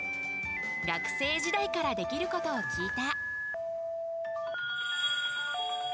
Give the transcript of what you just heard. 学生時代からできることを聞いた。